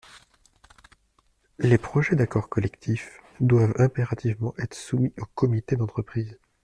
Les projets d’accord collectif doivent impérativement être soumis au comité d’entreprise.